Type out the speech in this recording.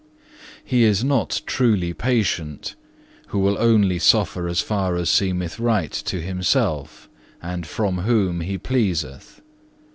3. "He is not truly patient who will only suffer as far as seemeth right to himself and from whom he pleaseth.